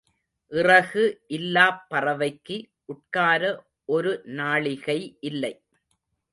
இறகு இல்லாப் பறவைக்கு உட்கார ஒரு நாழிகை இல்லை.